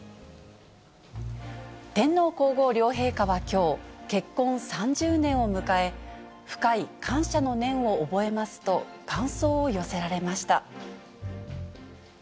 天皇皇后両陛下はきょう、結婚３０年を迎え、深い感謝の念を覚えますと、感想を寄せられました。